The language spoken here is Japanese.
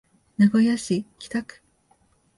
名古屋市北区